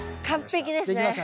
完璧ですね。